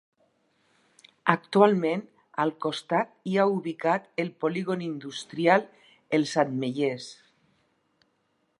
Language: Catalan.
Actualment, al costat hi ha ubicat el polígon industrial Els Ametllers.